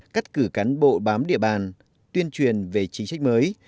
cắt cử cán bộ bám địa bàn tuyên truyền về chính sách mới